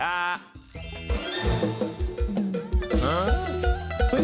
ว้าว